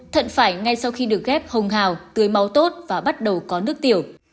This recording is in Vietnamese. thận phải ngay sau khi được ghép hồng hào tưới máu tốt và bắt đầu có nước tiểu